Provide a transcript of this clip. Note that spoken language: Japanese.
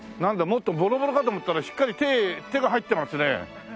もっとボロボロかと思ったらしっかり手が入ってますね。